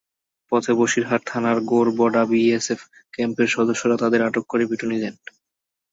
পথে বশিরহাট থানার গোরবডা বিএসএফ ক্যাম্পের সদস্যরা তাঁদের আটক করে পিটুনি দেন।